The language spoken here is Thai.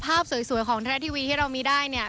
ภาพสวยของไทยรัฐทีวีที่เรามีได้เนี่ย